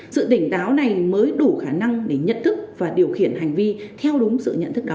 sự tỉnh táo này mới đủ khả năng để nhận thức và điều khiển hành vi theo đúng sự nhận thức đó